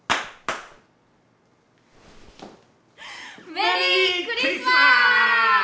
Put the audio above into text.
メリークリスマス！